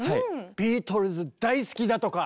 ビートルズ大好きだとか。